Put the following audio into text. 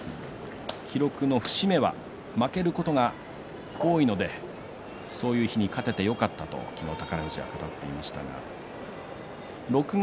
記録の節目は負けることが多いのでそういう日に勝ててよかったと昨日、宝富士は勝ててよかったと話をしています。